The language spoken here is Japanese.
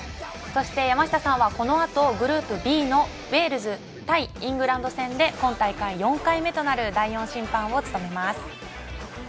そして、山下さんはグループＢのウェールズ対イングランド戦で今大会４回目となる第４審判を務めます。